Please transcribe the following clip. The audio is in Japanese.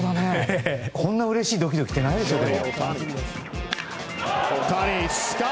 こんなうれしいドキドキってないですよね。